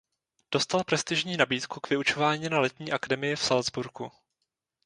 Dostal prestižní nabídku k vyučování na Letní akademii v Salcburku.